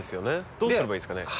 どうすればいいんですかね？